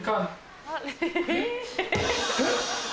えっ？